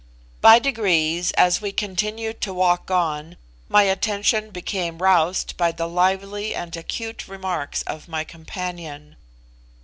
By degrees, as we continued to walk on, my attention became roused by the lively and acute remarks of my companion.